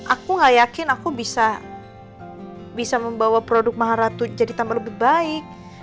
aku gak yakin aku bisa membawa produk maharatu jadi tambah lebih baik